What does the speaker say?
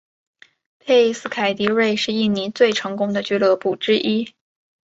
佩斯凯迪瑞是印尼最成功的俱乐部之一。